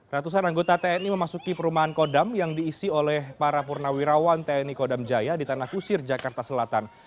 ratusan anggota tni memasuki perumahan kodam yang diisi oleh para purnawirawan tni kodam jaya di tanah kusir jakarta selatan